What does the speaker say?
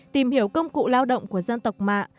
tìm hiểu công cụ lao động của dân tộc mạ